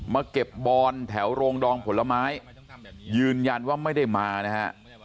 มาเก็บบอนแถวโรงดองผลไม้ยืนยันว่าไม่ได้มานะฮะ